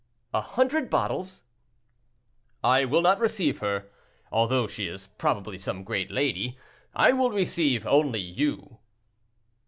"A hundred bottles!" "I will not receive her, although she is probably some great lady. I will receive only you."